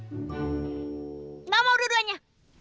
gak mau dua duanya